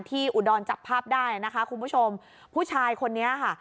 อุดรจับภาพได้นะคะคุณผู้ชมผู้ชายคนนี้ค่ะ